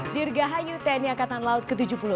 dirgahayu tni angkatan laut ke tujuh puluh enam